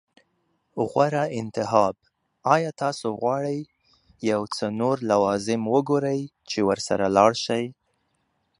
غوره انتخاب. ایا تاسو غواړئ یو څه نور لوازم وګورئ چې ورسره لاړ شئ؟